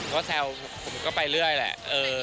ก็แซวผมก็ไปเรื่อยแหละ